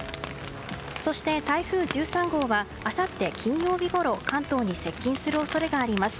そして台風１３号はあさって金曜日ごろ関東に接近する恐れがあります。